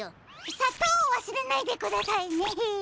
さとうをわすれないでくださいね。